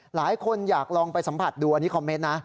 หลายคนอยากลองไปสัมผัสดูอันนี้คอมเมนต์นะ